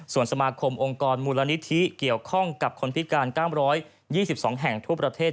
ส่วนสมาคมองค์กรมูลนิธิเกี่ยวข้องกับคนพิการ๙๒๒แห่งทั่วประเทศ